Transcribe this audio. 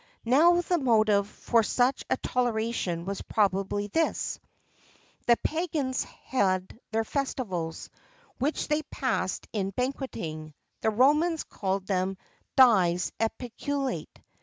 Now, the motive for such a toleration was probably this: the pagans had their festivals, which they passed in banqueting; the Romans called them dies epulatæ.